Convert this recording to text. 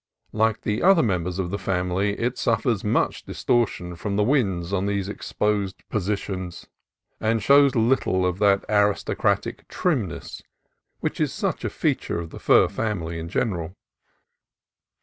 Like the other members of the family, it suffers much distortion from the winds in these exposed po sitions, and shows little of that aristocratic trimness which is such a feature of the fir family in general.